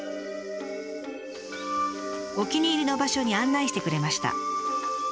お気に入りの場所に案内してくれました。